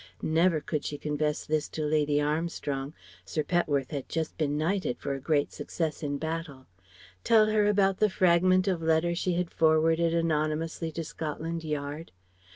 Never could she confess this to Lady Armstrong (Sir Petworth had just been knighted for a great success in battle), tell her about the fragment of letter she had forwarded anonymously to Scotland Yard.